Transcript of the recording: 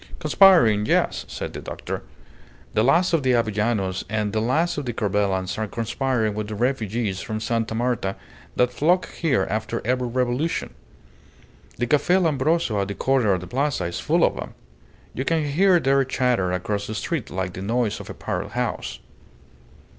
"Conspiring. Yes!" said the doctor. "The last of the Avellanos and the last of the Corbelans are conspiring with the refugees from Sta. Marta that flock here after every revolution. The Cafe Lambroso at the corner of the Plaza is full of them; you can hear their chatter across the street like the noise of a parrot house.